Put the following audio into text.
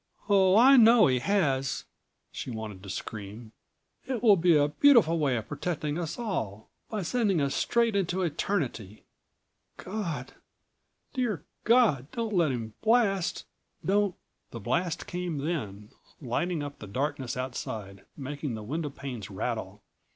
"Oh, I know he has!" she wanted to scream. "It will be a beautiful way of protecting us all ... by sending us straight into eternity. God, dear God, don't let him blast. Don't " The blast came then, lighting up the darkness outside, making the windowpanes rattle.